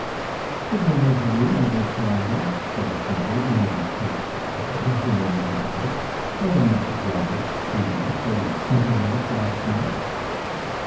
'Good morning to you, my Lord Colambre,' said his mother, in a reproachful tone, the moment he entered; 'I am much obliged to you for your company last night.'